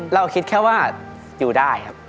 เราคิดแค่ว่าอยู่ได้ครับ